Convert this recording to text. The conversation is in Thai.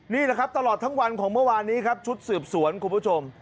นี่แหละครับตลอดทั้งวันของเมื่อวานนี้ครับชุดสืบสวนคุณผู้ชม